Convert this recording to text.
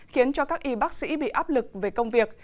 khiến cho các y bác sĩ bị áp lực về công việc